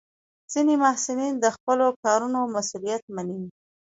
ځینې محصلین د خپلو کارونو مسؤلیت مني.